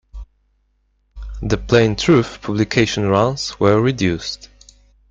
"The Plain Truth" publication runs were reduced.